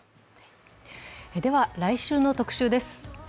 来週の特集です。